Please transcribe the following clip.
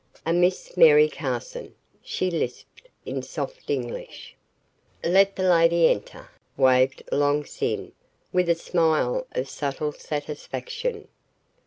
"A Miss Mary Carson," she lisped in soft English. "Let the lady enter," waved Long Sin, with a smile of subtle satisfaction.